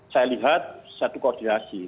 saya lihat satu koordinasi